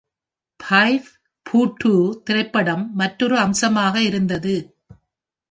“Five foot two” திரைப்படம் மற்றொரு அம்சமாக இருந்தது.